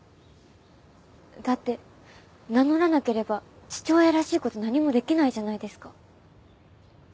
だって名乗らなければ父親らしい事何もできないじゃないですか。